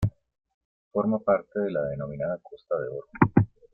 Forma parte de la denominada Costa de Oro.